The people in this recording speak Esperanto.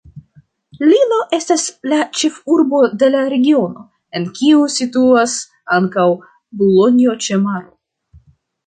Lillo estas la ĉefurbo de la regiono, en kiu situas ankaŭ Bulonjo-ĉe-Maro.